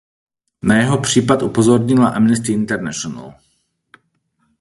Na jeho případ upozornila Amnesty International.